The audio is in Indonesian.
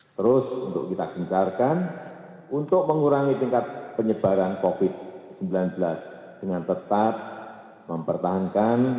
terus untuk kita gencarkan untuk mengurangi tingkat penyebaran covid sembilan belas dengan tetap mempertahankan